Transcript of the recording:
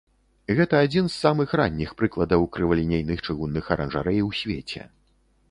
Гэта адзін з самых ранніх прыкладаў крывалінейных чыгунных аранжарэй у свеце.